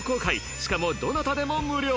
しかもどなたでも無料